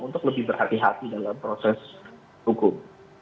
untuk lebih berhati hati dalam proses hukum